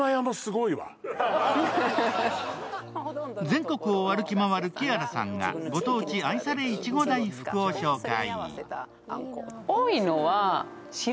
全国を歩き回るキアラさんがご当地愛されいちご大福を紹介。